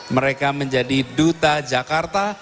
mereka menjadi duta jakarta